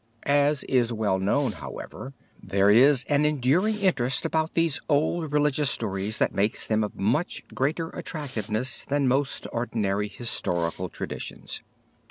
As is well known, however, there is an enduring interest about these old religious stories that makes them of much greater attractiveness than most ordinary historical traditions.